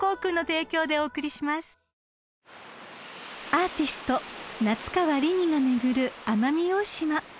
［アーティスト夏川りみが巡る奄美大島］